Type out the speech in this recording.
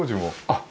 あっ。